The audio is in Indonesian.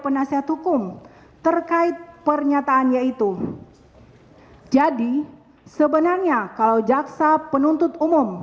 penasihat hukum terkait pernyataan yaitu jadi sebenarnya kalau jaksa penuntut umum